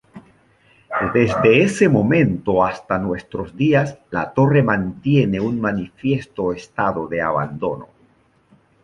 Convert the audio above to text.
Desde ese momento hasta nuestros días, la torre mantiene un manifiesto estado de abandono.